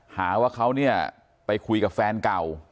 หาว่าเขาไปคุยกับแฟนก่อ